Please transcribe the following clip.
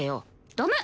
ダメ！